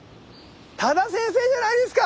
多田先生じゃないですか！